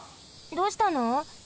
どうしたの？